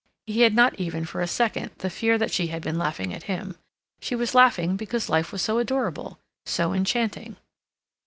He had not even for a second the fear that she had been laughing at him. She was laughing because life was so adorable, so enchanting.